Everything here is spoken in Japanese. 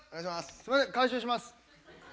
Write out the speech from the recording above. すみません回収します。